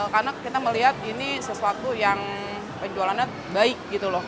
karena kita melihat ini sesuatu yang penjualannya baik gitu loh